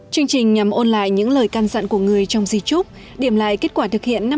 chương trình nhằm ôn lại những lời can dặn của người trong di trúc điểm lại kết quả thực hiện